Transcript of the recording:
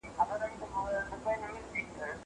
زه سړو ته خواړه ورکړي دي!